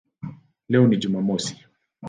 Leo ni Jumamosi".